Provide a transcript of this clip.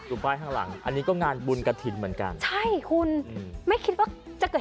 อยู่ไบร์ททำรังอันนี้ก็งานบุรกะถิ่นเหมือนกันใช่คุณอืมไม่คิดว่าจะเกิด